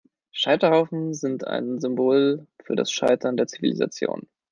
Scheiterhaufen sind ein Symbol für das Scheitern der Zivilisation.